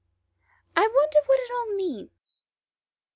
I wonder what it . all means."